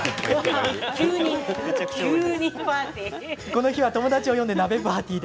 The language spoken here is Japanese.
この日は、友達を呼んで鍋パーティー。